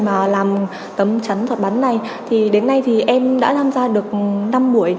chấm chắn thuật bắn này đến nay em đã tham gia được năm buổi